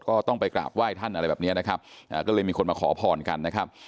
ก็ต้องไปกราบไหว้ท่านอะไรแบบเนี้ยนะครับก็เลยมีคนมาขอพรกันนะครับ